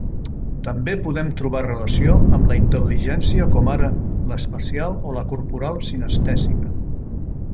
També podem trobar relació amb la intel·ligència com ara l'espacial o la corporal-cinestèsica.